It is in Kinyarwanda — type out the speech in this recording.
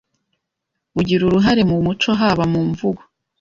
bugira uruhare mu muco haba mu mvugo